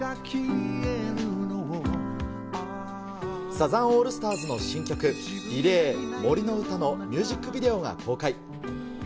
サザンオールスターズの新曲、Ｒｅｌａｙ杜の詩のミュージックビデオが公開。